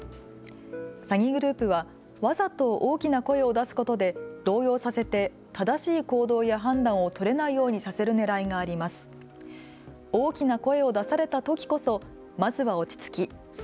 詐欺グループはわざと大きな声を出すことで動揺させて正しい行動や判断を取れないようにさせるねらいがあります。